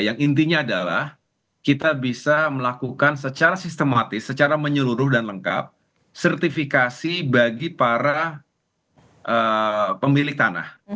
yang intinya adalah kita bisa melakukan secara sistematis secara menyeluruh dan lengkap sertifikasi bagi para pemilik tanah